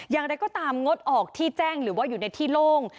อย่างไรก็ตามงดออกที่แจ้งหรือว่าอยู่ในที่โล่ง